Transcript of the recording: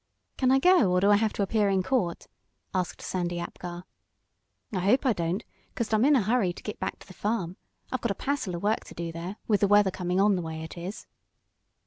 "Can I go, or do I have to appear in court?" asked Sandy Apgar. "I hope I don't, 'caused I'm in a hurry to git back to the farm. I've got a passel of work to do there, with the weather coming on the way it is.